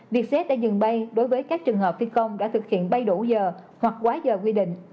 việc xếp đã dừng bay đối với các trường hợp phi công đã thực hiện bay đủ giờ hoặc quá giờ quy định